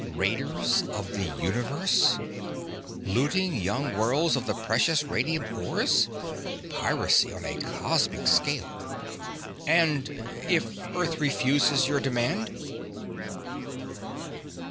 Raiders of the universe! Looting young worlds of the precious radium ores! Piracy on a cosmic scale! "And if Earth refuses your demand?"